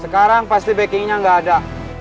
sekarang pasti backingnya nggak ada